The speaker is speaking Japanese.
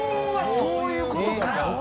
そういうことか！